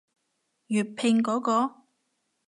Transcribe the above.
粵拼嗰個？